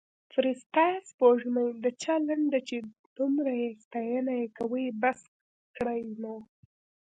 فرسته سپوړمۍ د چا لنډه چې دمره یې ستاینه یې کوي بس کړﺉ نو